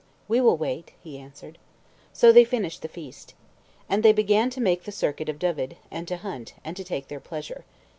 "We will wait," he answered. So they finished the feast. And they began to make the circuit of Dyved, and to hunt, and to take their pleasure.